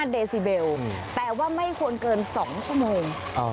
เดซิเบลแต่ว่าไม่ควรเกิน๒ชั่วโมง